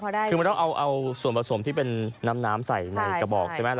คือมันต้องเอาส่วนผสมที่เป็นน้ำน้ำใส่ในกระบอกใช่ไหม